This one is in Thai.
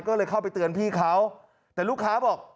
ก็เลยเข้าไปเตือนพี่เขาแต่ลูกค้าบอก